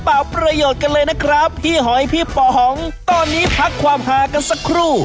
ประโยชน์กันเลยนะครับพี่หอยพี่ป๋องตอนนี้พักความหากันสักครู่